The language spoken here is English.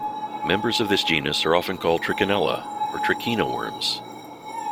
Members of this genus are often called trichinella or trichina worms.